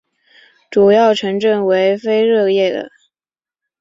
主要城镇为菲热克。